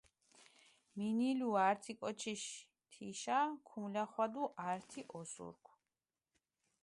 მინილუ ართი კოჩიში თიშა, ქუმლახვადუ ართი ოსურქ.